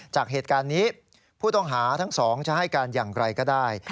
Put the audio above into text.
จากเหตุการณ์นี้ผู้ต้องหาทั้งสองจะให้การอย่างไรก็ได้